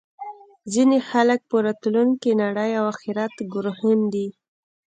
ځینې خلک په راتلونکې نړۍ او اخرت ګروهن دي